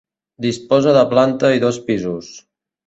Disposa de planta i dos pisos.